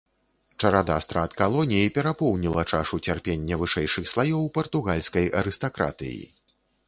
Чарада страт калоній перапоўніла чашу цярпення вышэйшых слаёў партугальскай арыстакратыі.